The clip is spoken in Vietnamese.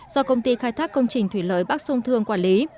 do công ty khai thác công trình thủy lợi bắc sông thương quản lý